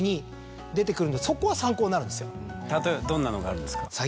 例えばどんなのがあるんですか？